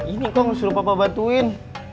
ini kok harus suruh papa bantuin